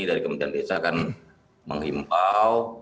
dari kementerian desa akan menghimbau